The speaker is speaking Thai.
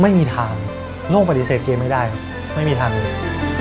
ไม่มีทางโล่งปฏิเสธเกมไม่ได้ครับไม่มีทางเลย